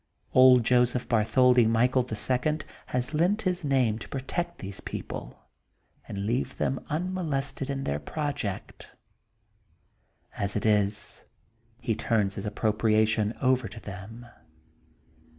Old Joseph Bartholdi Michael, the Second^ has lent his name to protect these people, and leave them unmolested in their project. As it is, he turns his appropriation over to them.